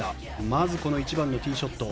まず１番のティーショット。